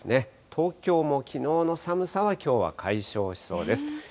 東京もきのうの寒さは、きょうは解消しそうです。